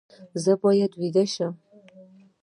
زه باید ویده شم